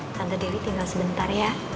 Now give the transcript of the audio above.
tante diri tinggal sebentar ya